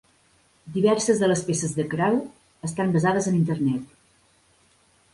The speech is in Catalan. Diverses de les peces de Crowe estan basades en internet.